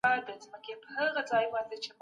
تدريس د ټاکلي نصاب سره تړاو لري.